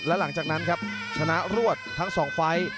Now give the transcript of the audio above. และหลังจากนั้นครับชนะรวดทั้ง๒ไฟล์